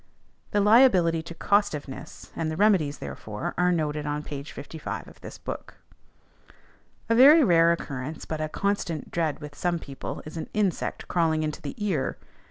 The liability to costiveness, and the remedies therefor, are noted on p. 55 of this book. A very rare occurrence, but a constant dread with some people, is an insect crawling into the ear.